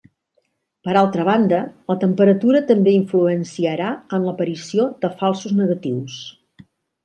Per altra banda, la temperatura també influenciarà en l'aparició de falsos negatius.